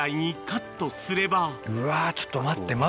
うわちょっと待って。